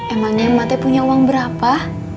emangnya emak teh punya uang berapa